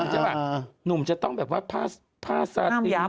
หนุ่มจะต้องพาสัตว์